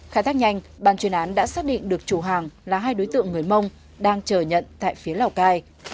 khai thác nhanh ban chuyên án đã xác định được chủ hàng là hai đối tượng người mông đang chờ nhận tại phía lào cai